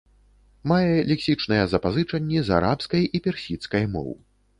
Мае лексічныя запазычанні з арабскай і персідскай моў.